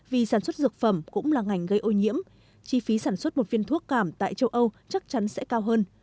vì sản xuất dược phẩm cũng là ngành gây ô nhiễm chi phí sản xuất một viên thuốc cảm tại châu âu chắc chắn sẽ cao hơn